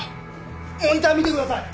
モニター見てください